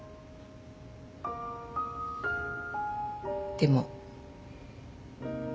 でも。